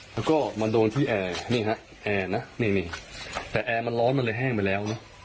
แล้วก็มาโดนที่แอร์นี่ฮะแอร์นะนี่แต่แอร์มันร้อนมันเลยแห้งไปแล้วนะ